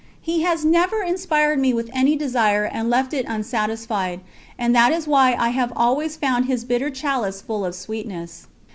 He has never inspired me with any desire and left it unsatisfied, and that is why I have always found His bitter chalice full of sweetness.